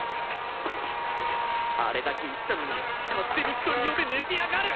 こいつあれだけ言ったのに勝手に１人用で寝てやがる！